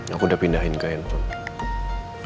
aku udah pindahin ke handphone